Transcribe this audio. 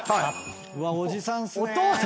おじさんっすね。